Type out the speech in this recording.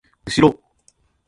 うしろ！